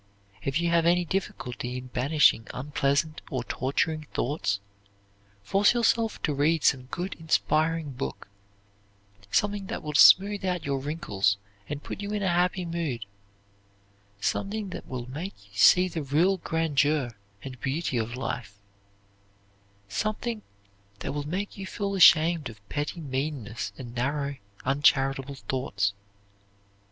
If you have any difficulty in banishing unpleasant or torturing thoughts, force yourself to read some good, inspiring book something that will smooth out your wrinkles and put you in a happy mood; something that will make you see the real grandeur and beauty of life; something that will make you feel ashamed of petty meannesses and narrow, uncharitable thoughts.